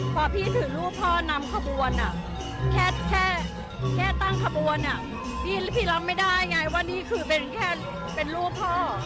พอพี่ถือรูปพ่อนำขบวนแค่ตั้งขบวนพี่รับไม่ได้ไงว่านี่คือเป็นแค่เป็นรูปพ่อ